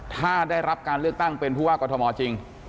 ถ้าได้รับการเลือกตั้งเป็นผู้อักษ์กรทธมมาล์จริง